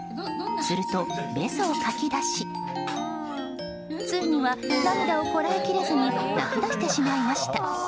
すると、べそをかき出しついには涙をこらえきれずに泣き出してしまいました。